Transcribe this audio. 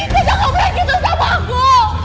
tante ngobel gitu sama aku